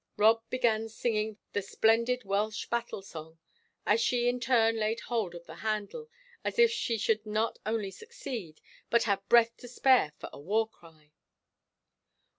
'" Rob began singing the splendid Welsh battle song as she in turn laid hold of the handle, as if she should not only succeed, but have breath to spare for a war cry.